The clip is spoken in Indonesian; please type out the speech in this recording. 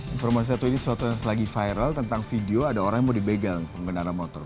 informasi satu ini suatu yang lagi viral tentang video ada orang yang mau dipegang pengendara motor